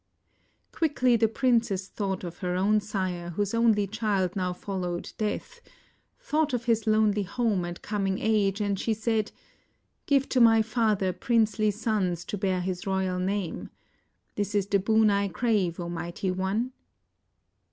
Quickly the princess thought of her own sire, whose only child now followed Death — thought of his lonely home and coming age, and she said, "Give to my father princely sons to bear his royal name. This is the boon I crave, 0 mighty one."